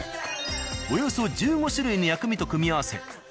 およそ１５種類の薬味と組み合わせ